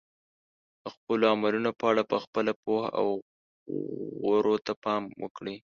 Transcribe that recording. د خپلو عملونو په اړه په خپله پوهه او غورو ته پام وکړئ.